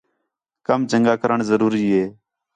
کم چَنڳا کرݨ ضروری ہے